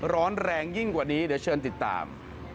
ร้อนแรงยิ่งกว่านี้เดี๋ยวเชิญติดตาม